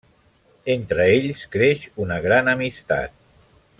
Entre ells creix una gran amistat.